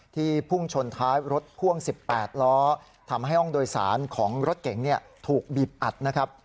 พุ่งชนท้ายรถพ่วง๑๘ล้อทำให้ห้องโดยสารของรถเก๋งถูกบีบอัดนะครับ